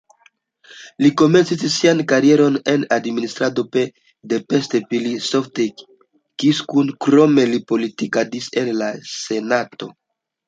Li komencis sian karieron en administrado de Pest-Pilis-Solt-Kiskun, krome li politikadis en la senato.